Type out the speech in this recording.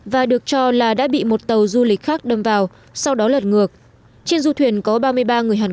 và được cho là đã bị một tàu du lịch khác đâm vào sau đó lật ngược trên du thuyền có ba mươi ba người hàn quốc